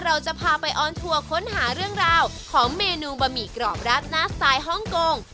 เราจะพาไปออนทัวร์ค้นหาเรื่องราวของเมนูบะหมี่กรอบราดหน้าสไตล์ฮ่องกง